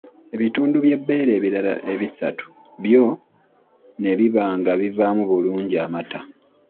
Ebitundu by’ebbeere ebirala ebisatu byo ne biba nga bivaamu bulungi amata.